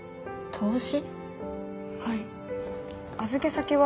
投資。